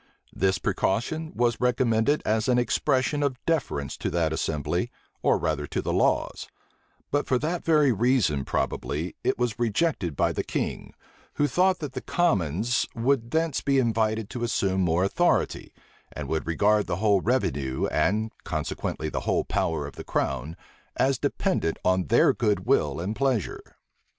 This precaution was recommended as an expression of deference to that assembly, or rather to the laws: but for that very reason, probably, it was rejected by the king; who thought that the commons would thence be invited to assume more authority, and would regard the whole revenue, and consequently the whole power of the crown, as dependent on their good will and pleasure.